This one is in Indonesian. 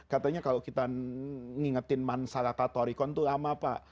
katanya kalau kita ngingetin man salaka torikon tuh lama pak